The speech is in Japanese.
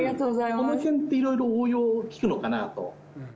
このへんっていろいろ応用利くのかなと。